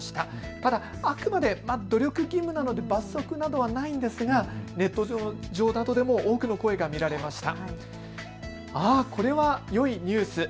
ただ、あくまで努力義務なので罰則などはないんですがネット上などでも多くの声が見られました。